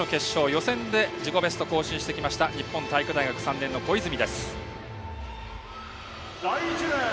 予選で自己ベストを更新してきた日本体育大学３年の小泉です。